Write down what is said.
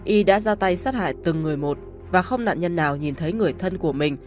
y đã ra tay sát hại từng người một và không nạn nhân nào nhìn thấy người thân của mình